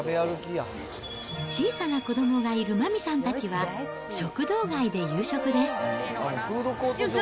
小さな子どもがいる麻美さんたちは、食堂街で夕食です。